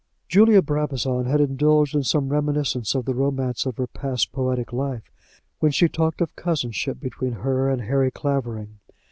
Julia Brabazon had indulged in some reminiscence of the romance of her past poetic life when she talked of cousinship between her and Harry Clavering.